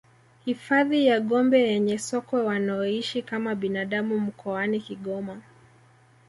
Hifadhi ya Gombe yenye sokwe wanaoishi kama binadamu mkoani Kigoma